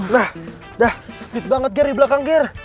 nah dah speed banget ger di belakang ger